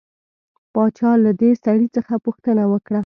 باچا له دې سړي څخه پوښتنه وکړه.